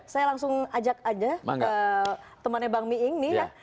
saya langsung ajak aja temannya bang mi'ing nih ya